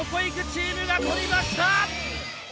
チームが取りました。